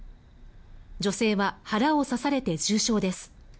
女性は腹を刺されて重傷です。